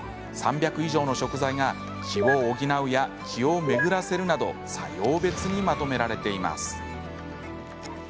３００以上の食材が「気を補う」や「気を巡らせる」など作用別にまとめられています。